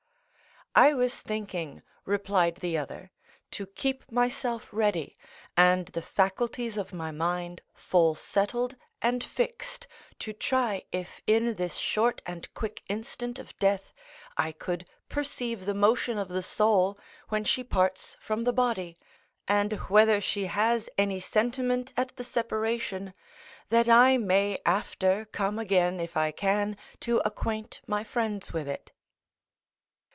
"I was thinking," replied the other, "to keep myself ready, and the faculties of my mind full settled and fixed, to try if in this short and quick instant of death, I could perceive the motion of the soul when she parts from the body, and whether she has any sentiment at the separation, that I may after come again if I can, to acquaint my friends with it."